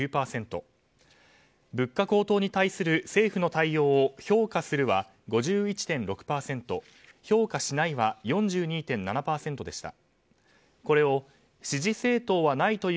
物価高騰に対する政府の対応を評価するは５６．１％評価しないは４２．７％でした。